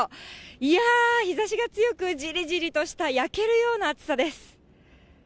いやあ、日ざしが強く、じりじりとした焼けるような暑さです。